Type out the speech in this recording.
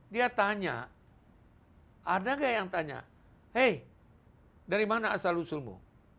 dia tanya ada nggak yang tanya hei dari mana asal usulmu